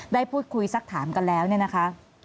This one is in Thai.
ได้พูดคุยสักถามกันแล้วเนี่ยนะคะ